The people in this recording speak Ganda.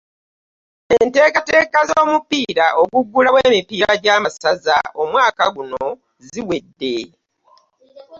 Enteekateeka z'omupiira oguggulawo emipiira gy'amasaza omwaka guno ziwedde